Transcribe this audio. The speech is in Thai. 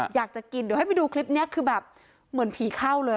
อยากจะกินเดี๋ยวให้ไปดูคลิปนี้คือแบบเหมือนผีเข้าเลย